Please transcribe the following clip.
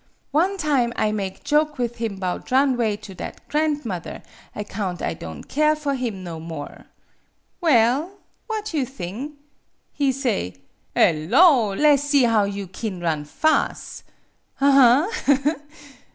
One time I make joke with him 'bout run 'way to that grandmother, account I don' keer for him no more. Well what you thing? He say ' 'Ello! Less see how you kin run fas'.' Aha, ha, ha!